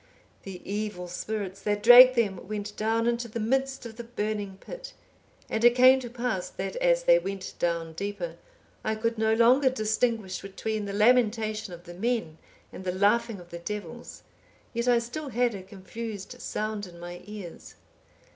The evil spirits that dragged them went down into the midst of the burning pit; and it came to pass that as they went down deeper, I could no longer distinguish between the lamentation of the men and the laughing of the devils, yet I still had a confused sound in my ears.